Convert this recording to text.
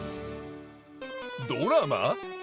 ドラマ？